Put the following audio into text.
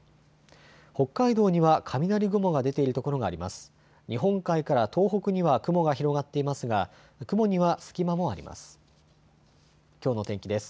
北海道には雷雲が出ているところがあります。